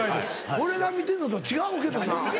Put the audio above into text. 俺が見てんのとは違うけどな。